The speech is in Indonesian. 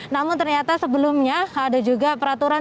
namun ternyata sebelumnya ada juga peraturan